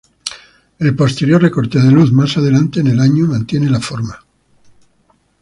El posterior recorte de luz más adelante en el año mantiene la forma.